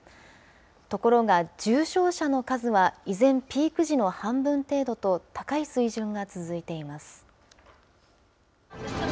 ところが、重症者の数は依然、ピーク時の半分程度と、高い水準が続いています。